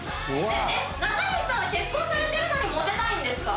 中西さんは結婚されてるのにモテたいんですか？